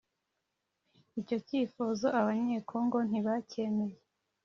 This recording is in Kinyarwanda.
Icyo cyifuzo Abanyekongo ntibacyemeye